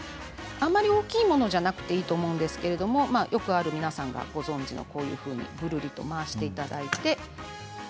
あまり大きいものじゃなくていいと思うんですけれど皆さんがよくご存じのぐるりと回していただいて。